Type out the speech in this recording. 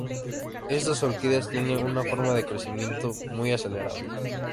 Estas orquídeas tienen una forma de crecimiento muy acelerado.